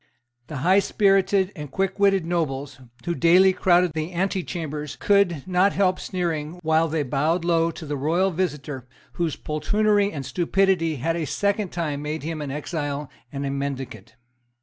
The highspirited and quickwitted nobles who daily crowded the antechambers could not help sneering while they bowed low to the royal visitor, whose poltroonery and stupidity had a second time made him an exile and a mendicant.